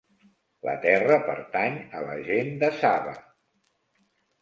La terra pertany a la gent de Sabah.